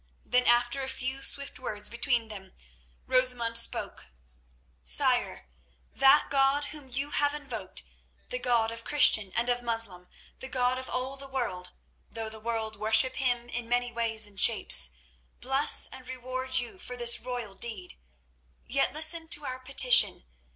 Then, after a few swift words between them, Rosamund spoke. "Sire, that God whom you have invoked, the God of Christian and of Moslem, the God of all the world, though the world worship Him in many ways and shapes, bless and reward you for this royal deed. Yet listen to our petition.